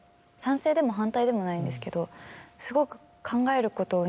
賛成でも反対でもないんですけどすごく。